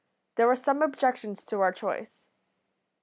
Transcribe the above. There were some objections to our choice.